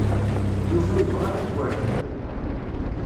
Yuba yebɣa igerdan.